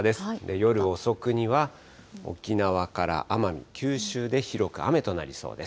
夜遅くには沖縄から奄美、九州で広く雨となりそうです。